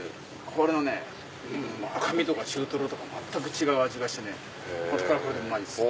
これのね赤身とか中トロとか全く違う味がしてねうまいです。